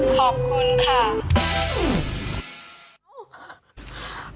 ขอบคุณค่ะ